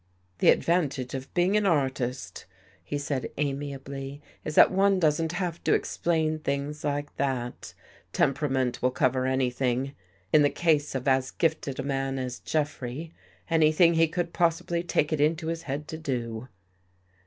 " The advantage of being an artist," he said amiably, " is that one doesn't have to explain things like that. Temperament will cover anything — in the case of as gifted a man as Jeffrey, anything he could possibly take it into his head to do."